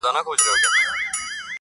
زه د هر چا ښو له کاره ويستمه,